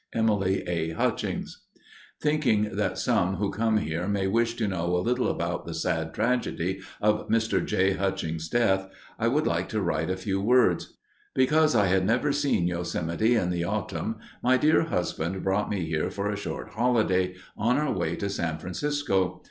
Emily A. Hutchings Thinking that some who come here may wish to know a little about the sad tragedy of Mr. J. Hutchings' death, I would like to write a few words. Because I had never seen Yo Semite in the autumn, my dear husband brought me here for a short holiday, on our way to San Francisco.